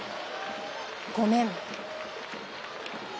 ごめん。